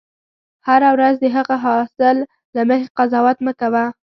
هره ورځ د هغه حاصل له مخې قضاوت مه کوه.